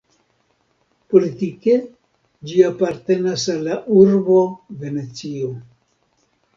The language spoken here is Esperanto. Politike ĝi apartenas al la urbo Venecio.